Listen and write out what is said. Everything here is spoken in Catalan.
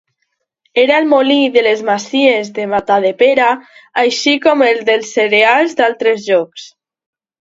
Era el molí de les masies de Matadepera, així com el dels cereals d'altres llocs.